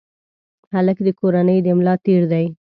هلک د کورنۍ د ملا تیر دی.